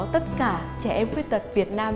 tất cả trẻ em khuyết tật việt nam